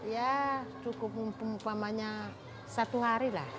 ya cukup umpamanya satu hari lah